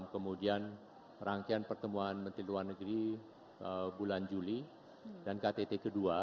kemudian rangkaian pertemuan menteri luar negeri bulan juli dan ktt kedua